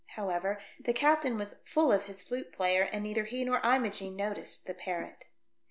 How ever, the captain was full of his flute player, and neither he nor Imogene noticed the parrot.